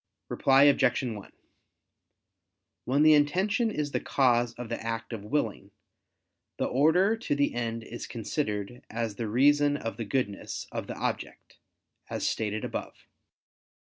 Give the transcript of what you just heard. Reply Obj. 1: When the intention is the cause of the act of willing, the order to the end is considered as the reason of the goodness of the object, as stated above.